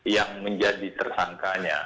yang menjadi tersangkanya